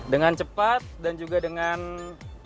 dengan cepat dan juga dengan pengucapan saya dengan cepat